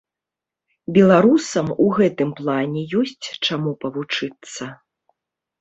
Беларусам у гэтым плане ёсць, чаму павучыцца.